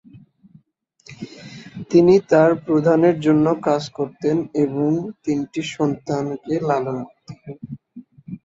তিনি তার প্রধানের জন্য কাজ করতেন এবং তিনটি সন্তানকে লালন করতেন।